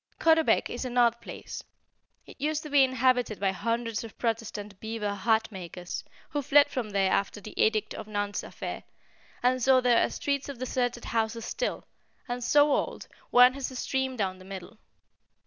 Caudebec is an odd place; it used to be inhabited by hundreds of Protestant beaver hat makers, who fled from there after the Edict of Nantes' affair, and so there are streets of deserted houses still, and so old, one has a stream down the middle.